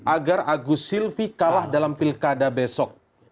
agar agus silvi kalah dalam pilkada besok